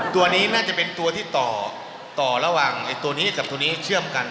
ตัวนี้น่าจะเป็นตัวที่ต่อระหว่างตัวนี้กับตัวนี้เชื่อมกัน